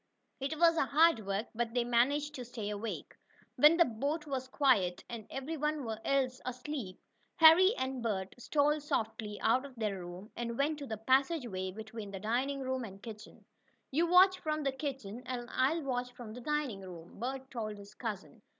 It was hard work, but they managed to stay awake. When the boat was quiet, and every one else asleep, Harry and Bert stole softly out of their room and went to the passageway between the dining room and kitchen. "You watch from the kitchen, and I'll watch from the dining room," Bert told his cousin.